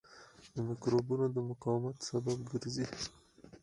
د مکروبونو د مقاومت سبب ګرځي.